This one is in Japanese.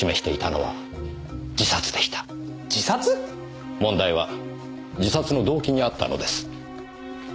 問題は自殺の動機にあったのです。